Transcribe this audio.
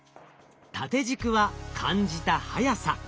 縦軸は感じた速さ。